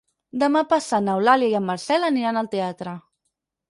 Demà passat n'Eulàlia i en Marcel aniran al teatre.